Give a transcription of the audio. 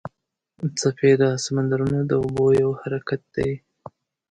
څپې د سمندرونو د اوبو یو حرکت دی.